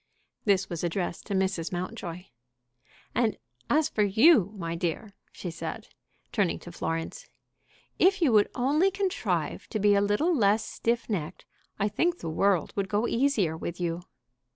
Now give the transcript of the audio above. This was addressed to Mrs. Mountjoy. "And as for you, my dear," she said, turning to Florence, "if you would only contrive to be a little less stiff necked, I think the world would go easier with you."